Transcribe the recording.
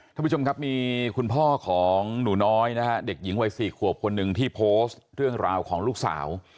ท่านผู้ชมครับมีคุณพ่อของหนูน้อยนะฮะเด็กหญิงวัย๔ขวบคนหนึ่งที่โพสต์เรื่องราวของลูกสาว